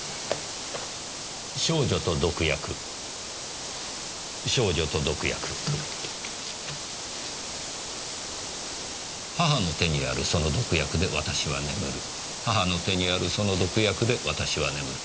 『少女と毒薬』『少女と毒薬』「母の手にあるその毒薬で私は眠る」「母の手にあるその毒薬で私は眠る」